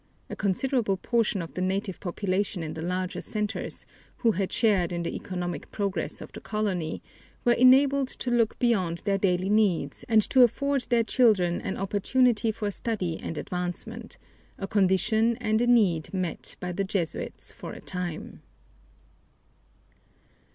A considerable portion of the native population in the larger centers, who had shared in the economic progress of the colony, were enabled to look beyond their daily needs and to afford their children an opportunity for study and advancement a condition and a need met by the Jesuits for a time.